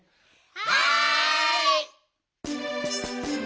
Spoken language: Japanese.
はい！